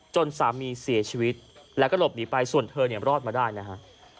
จนสามีเสียชีวิตแล้วก็หลบหนีไปส่วนเธอเนี่ยรอดมาได้นะฮะ